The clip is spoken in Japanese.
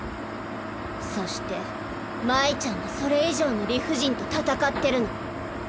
そして真依ちゃんはそれ以上の理不尽と戦ってるの。